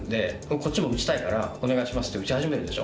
こっちも打ちたいからお願いしますって打ち始めるでしょ。